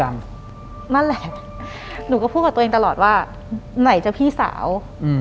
หลังจากนั้นเราไม่ได้คุยกันนะคะเดินเข้าบ้านอืม